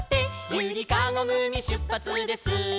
「ゆりかごぐみしゅっぱつです」